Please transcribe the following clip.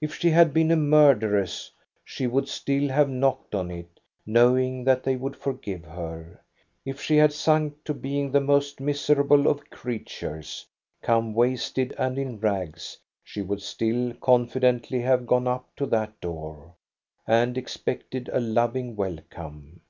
If she had been a murderess, she would still have knocked on it, knowing that they would forgive her. If she had sunk to being the most miserable of creatures, come wasted and in rags, she would still confidently have gone up to that door, and expected a loving welcome.